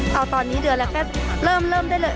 เอาตอนนี้เดือนแล้วแค่เริ่มเริ่มได้เลย